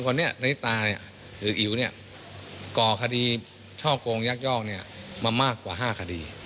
คนนี้ในตาหรืออิ๋วก่อคดีช่อกงยักยอกมามากกว่า๕คดี